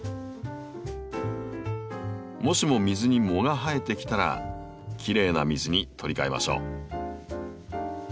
もしも水に藻が生えてきたらきれいな水に取り替えましょう。